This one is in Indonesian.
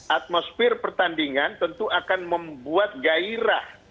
atmosfer pertandingan tentu akan membuat gairah